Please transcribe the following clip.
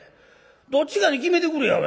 どっちかに決めてくれや。